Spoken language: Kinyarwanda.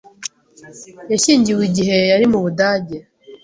Yashyingiwe igihe yari mu Budage?